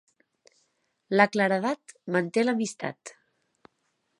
La claredat manté l'amistat.